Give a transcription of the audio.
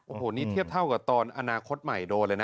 โอ้โหนี่เทียบเท่ากับตอนอนาคตใหม่โดนเลยนะ